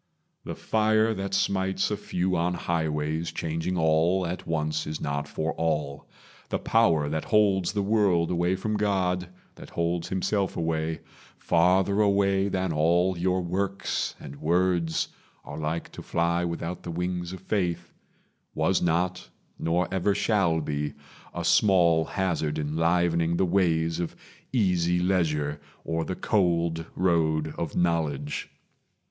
The fire that smites A few on highways, changing all at once, Is not for all. The power that holds the world Away from God that holds himself away Farther away than all your works and words Are like to fly without the wings of faith Was not, nor ever shall be, a small hazard Enlivening the ways of easy leisure Or the cold road of knowledge.